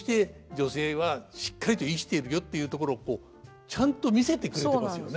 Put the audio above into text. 女性はしっかりと生きてるよっていうところをちゃんと見せてくれてますよね。